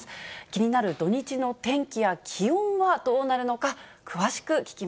気になる土日の天気や気温はどうなるのか。